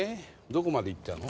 ⁉どこまでいったの？